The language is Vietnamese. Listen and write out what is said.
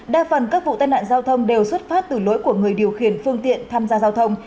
đa phần các vụ tai nạn giao thông đều xuất phát từ lỗi của người điều khiển phương tiện tham gia giao thông